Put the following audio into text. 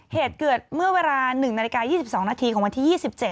เหตุเกิดเมื่อเวลา๑นาฬิกา๒๒นาทีของวันที่๒๗